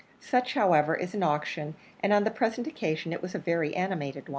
Such, however, is an auction, and on the present occasion it was a very animated one.